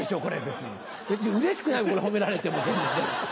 別にうれしくないもんこれ褒められても全然。